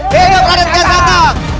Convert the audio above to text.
hidup raden kiasatang